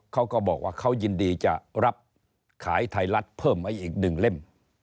เขาก็บอกว่าเขายินดีจะรับขายไทยรัฐเพิ่มไว้อีกหนึ่งเล่ม